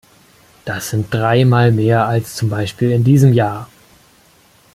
Das sind dreimal mehr als zum Beispiel in diesem Jahr.